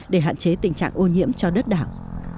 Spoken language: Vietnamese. để hạn chế tình trạng ô nhiễm cho đất đảo